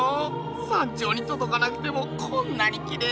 山頂にとどかなくてもこんなにきれいなんだ。